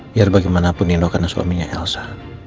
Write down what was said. biar bagaimanapun nino karena suaminya elsa